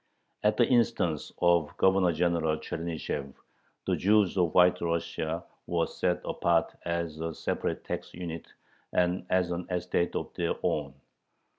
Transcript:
At the instance of Governor General Chernyshev, the Jews of White Russia were set apart as a separate tax unit and as an estate of their own.